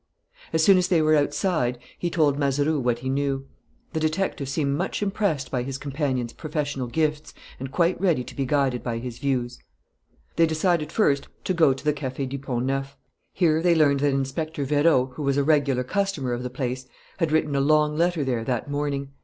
As soon as they were outside, he told Mazeroux what he knew. The detective seemed much impressed by his companion's professional gifts and quite ready to be guided by his views. They decided first to go to the Café du Pont Neuf. Here they learned that Inspector Vérot, who was a regular customer of the place, had written a long letter there that morning.